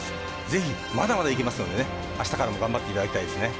ぜひ、まだまだいけますのであしたからも頑張っていただきたいですね。